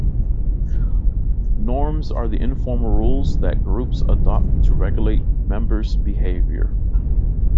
Norms are the informal rules that groups adopt to regulate members' behaviour.